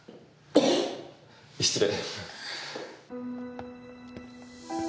失礼。